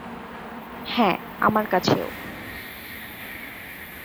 হ্যাঁ, আমার কাছেও।